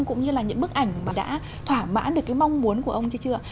cũng như là những bức ảnh đã thỏa mãn được cái mong muốn của ông chưa